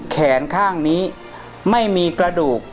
แขนข้างนี้ไม่มีกระดูก